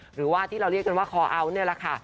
หรือว่าที่เราเรียกกันว่าคอเอาท์นี่แหละค่ะ